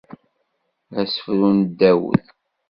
Asefru n Dawed.